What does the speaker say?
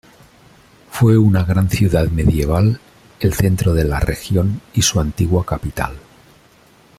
Fue una gran ciudad medieval, el centro de la región y su antigua capital.